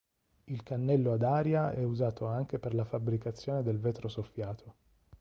Il cannello ad aria è usato anche per la fabbricazione del vetro soffiato.